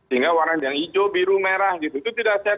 hingga warna yang hijau biru merah itu tidak sehat